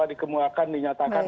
itu dikembangkan dinyatakan